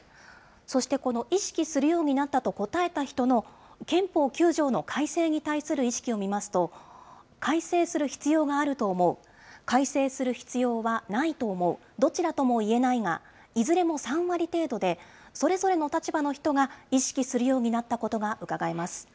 そしてこの意識するようになったと答えた人の、憲法９条の改正に対する意識を見ますと、改正する必要があると思う、改正する必要はないと思う、どちらともいえないが、いずれも３割程度で、それぞれの立場の人が、意識するようになったことがうかがえます。